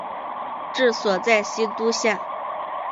治所在西都县。